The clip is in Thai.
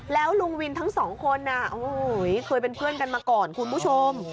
แล้วลุงวินทั้งสองคนเคยเป็นเพื่อนกันมาก่อนคุณผู้ชม